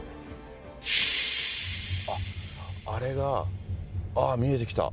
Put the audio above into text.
あっ、あれが見えてきた。